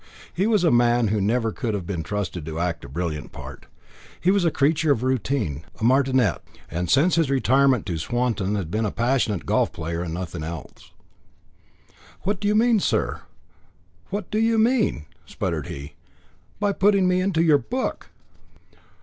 He was a man who never could have been trusted to act a brilliant part. He was a creature of routine, a martinet; and since his retirement to Swanton had been a passionate golf player and nothing else. "What do you mean, sir? What do you mean?" spluttered he, "by putting me into your book?"